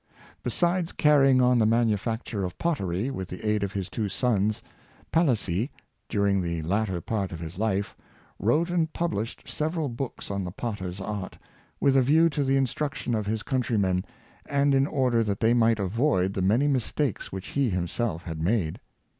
Besides carrying on the manufacture of pottery, with the aid of his two sons, Palissy, during the latter part of his life, wrote and published several books on the potter's art, with a view to the instruction of his coun trymen, and in order that they might avoid the many mistakes which he himself had made.